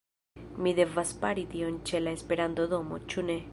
Ni devas fari tion ĉe la Esperanto-domo, ĉu ne?